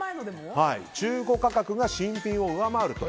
中古価格が新品を上回ると。